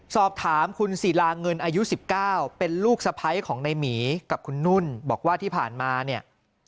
สอบถามคุณศิลาเงินอายุ๑๙เป็นลูกสะพ้ายของในหมีกับคุณนุ่นบอกว่าที่ผ่านมาเนี่ย